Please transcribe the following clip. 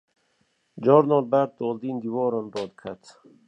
carna li ber taldên diwaran radiket